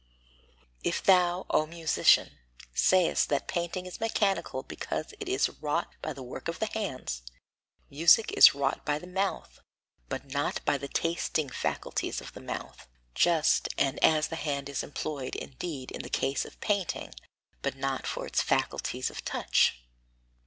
If thou, O musician, sayest that painting is mechanical because it is wrought by the work of the hands, music is wrought by the mouth, but not by the tasting faculties of the mouth; just and as the hand is employed indeed in the case of painting, but not for its faculties of touch.